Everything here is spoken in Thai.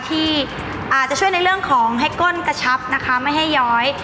ที่อาจจะช่วยในเรื่องของให้ก้นกระชับนะคะไม่ให้ย้อย